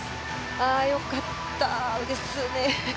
ああ、よかったですね。